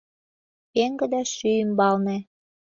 Пеҥгыде шӱй ӱмбалне.